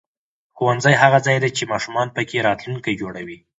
ښوونځی هغه ځای دی چې ماشومان پکې راتلونکی جوړوي